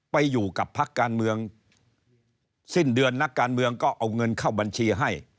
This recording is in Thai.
ไปอยู่กับพักการเมืองสิ้นเดือนนักการเมืองก็เอาเงินเข้าบัญชีให้